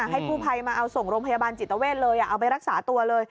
ให้กู้ภัยมาเอาส่งโรงพยาบาลจิตเวทเลยเอาไปรักษาตัวเลย